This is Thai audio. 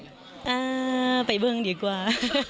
อ่าไปเบื้องดีกว่า